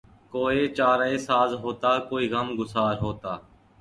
کوئی چارہ ساز ہوتا کوئی غم گسار ہوتا